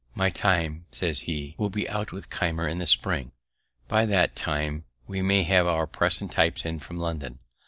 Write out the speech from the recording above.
"My time," says he, "will be out with Keimer in the spring; by that time we may have our press and types in from London.